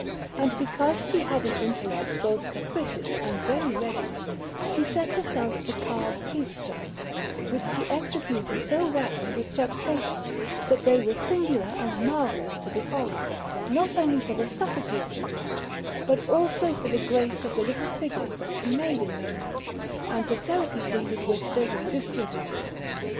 And because she had an intellect both capricious and very ready, she set herself to carve peach stones, which she executed so well and with such patience, that they were singular and marvellous to behold, not only for the subtlety of the work, but also for the grace of the little figures that she made in them and the delicacy with which they were distributed.